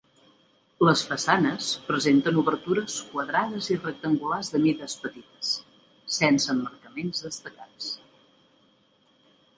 Les façanes presenten obertures quadrades i rectangulars de mides petites, sense emmarcaments destacats.